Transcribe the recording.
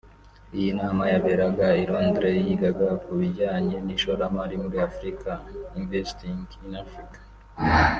Iyi nama yarebaga i Londres yigaga ku bijyanye n’ishoramari muri Afurika “Investing in Africa”